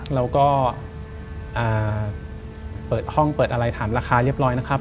เราก็เปิดห้องเปิดอะไรถามราคาเรียบร้อยนะครับ